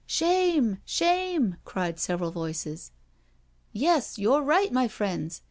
" Shame I Shame I" cried several voices. " Yes, you're right, my friends.